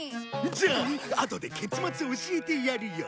じゃああとで結末教えてやるよ。